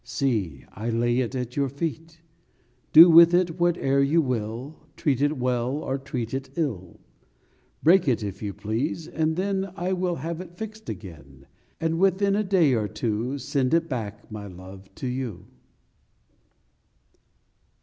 See, I lay it at your feet. Do with it whate er you will Treat it well, or treat it ill ; Break it if you please, and then I will have it fixed again, And within a day or two Send it back, my Love, to you.